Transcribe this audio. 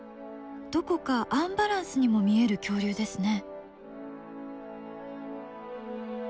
どこかアンバランスにも見える恐竜ですね。